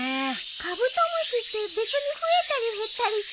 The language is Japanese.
カブトムシって別に増えたり減ったりしないよね。